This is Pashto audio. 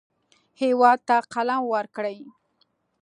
هېواد ته قلم ورکړئ